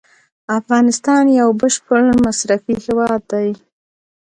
افغانستان یو بشپړ مصرفي هیواد دی.